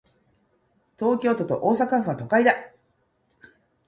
東京都と大阪府は、都会だ。